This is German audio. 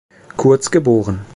Kurz geboren.